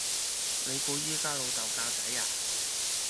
你估依家老豆教仔呀?